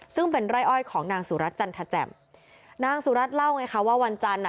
ซึ่งเป็นไร่อ้อยของนางสุรัตนจันทแจ่มนางสุรัตนเล่าไงคะว่าวันจันทร์อ่ะ